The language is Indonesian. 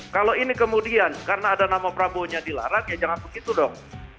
kalau ini kemudian karena ada nama prabowonya dilarang ya jangan begitu dong